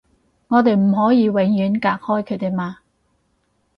我哋唔可以永遠隔開佢哋嘛